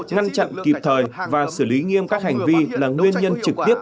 ngăn chặn kịp thời và xử lý nghiêm các hành vi là nguyên nhân trực tiếp